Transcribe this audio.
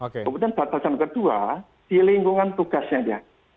kemudian batasan kedua di lingkungan tugasnya dia